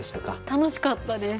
楽しかったです。